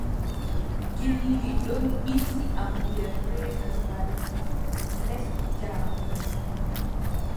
Gilɗi ɗon ɗisi yam nder reedu gal les jaabuuru.